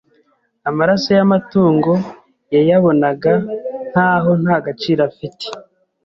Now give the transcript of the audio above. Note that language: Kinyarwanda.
amaraso y’amatungo yayabonaga nk’aho nta gaciro afite.